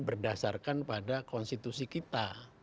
berdasarkan pada konstitusi kita